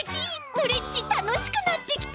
オレっちたのしくなってきた！